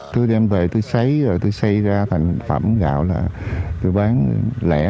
tôi đem về tôi xấy rồi tôi xây ra thành phẩm gạo là tôi bán lẻ